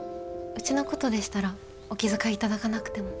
うちのことでしたらお気遣い頂かなくても。